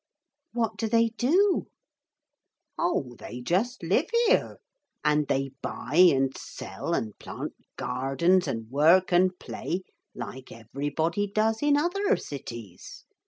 'What do they do?' 'Oh, they just live here. And they buy and sell and plant gardens and work and play like everybody does in other cities.